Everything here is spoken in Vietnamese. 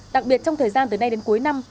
đặc biệt trong thời gian từ nay đến cuối năm